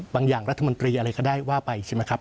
อย่างรัฐมนตรีอะไรก็ได้ว่าไปใช่ไหมครับ